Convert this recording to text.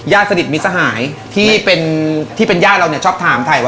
สนิทมิสหายที่เป็นที่เป็นญาติเราเนี่ยชอบถามถ่ายว่า